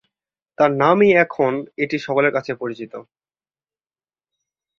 তার নামই এখন এটি সকলের কাছে পরিচিত।